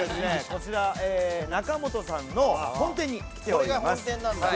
こちら中本さんの本店に来ております。